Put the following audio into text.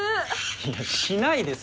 いやしないです。